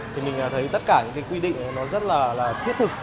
thì mình thấy tất cả những cái quy định nó rất là thiết thực